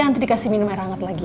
nanti dikasih minum air hangat lagi